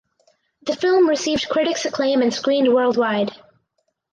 The film received critics acclaim and screened worldwide.